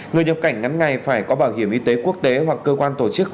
người nhập cảnh ngắn ngày phải có bảo hiểm y tế quốc tế hoặc cơ quan tổ chức